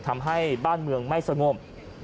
ทำให้บ้านเมืองไม่สงบ